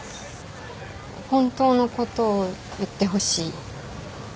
本当のことを言ってほしいです。